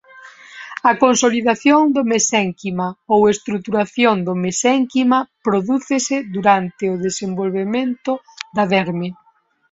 A consolidación do mesénquima ou estruturación do mesénquima prodúcese durante o desenvolvemento da derme.